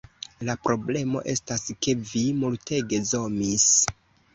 La problemo estas, ke vi multege zomis